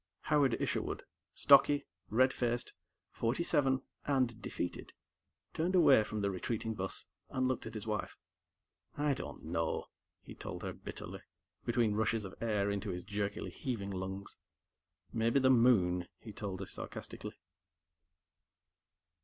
Howard Isherwood, stocky, red faced, forty seven, and defeated, turned away from the retreating bus and looked at his wife. "I don't know," he told her bitterly, between rushes of air into his jerkily heaving lungs. "Maybe, the moon," he told her sarcastically.